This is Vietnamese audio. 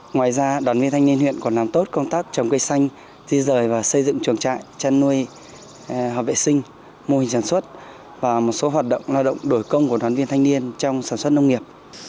ngoài ra đoàn viên thanh niên huyện còn làm tốt công tác trồng cây xanh di rời và xây dựng chuồng trại chăn nuôi hợp vệ sinh mô hình sản xuất và một số hoạt động lao động đổi công của đoàn viên thanh niên trong sản xuất nông nghiệp